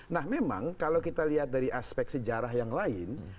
nah memang kalau kita lihat dari aspek sejarah yang lain